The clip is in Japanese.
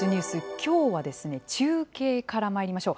きょうは中継からまいりましょう。